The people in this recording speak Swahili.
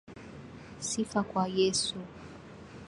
Sifa kwa Yesu!